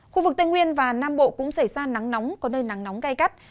khu vực tây nguyên và nam bộ cũng xảy ra nắng nóng có nơi nắng nóng cay cắt